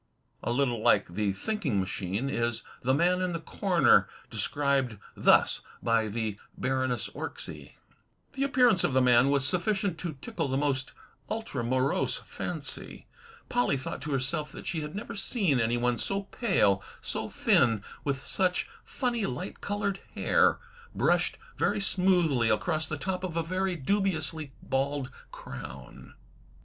A little like "The Thinking Machine" is "The Man in the Corner," described thus by the Baroness Orczy: The appearance of the man was sufficient to tickle the most ultramorose fancy. Polly thought to herself that she had never seen anyone so pale, so thin, with such funny light coloured hair, brushed very smoothly across the top of a very dubiously bald crown.